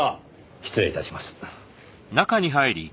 失礼致します。